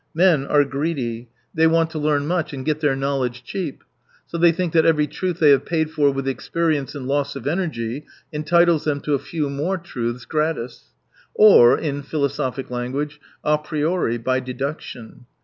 Men are greedy, they want to 217 learn much, and get their fcaowledge cheap. So they think that every trmth they have paid for with experience and loss erf esxergy entitles them to a few more truths gratis : or, in philosophic language, a priori, by deduction.